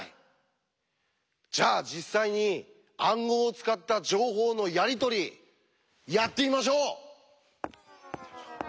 じゃあ実際に暗号を使った情報のやり取りやってみましょう！